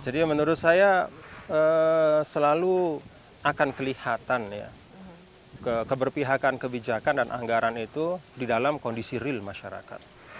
jadi menurut saya selalu akan kelihatan keberpihakan kebijakan dan anggaran itu di dalam kondisi real masyarakat